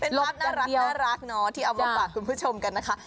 เป็นภาพน่ารักเนาะที่เอามาฝากคุณผู้ชมกันนะคะ